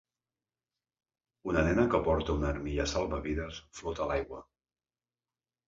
Una nena que porta una armilla salvavides flota a l'aigua.